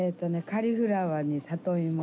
カリフラワーに里芋。